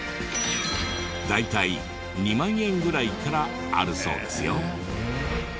大体２万円ぐらいからあるそうですよ。